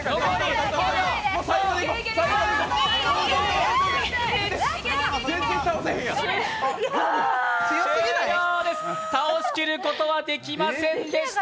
終了です、倒しきることはできませんでした。